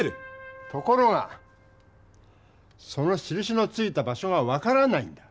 ところがそのしるしのついた場所が分からないんだ。